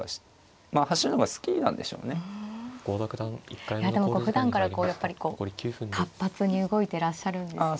いやでもふだんからやっぱりこう活発に動いてらっしゃるんですね。